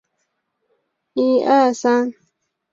清朝将领。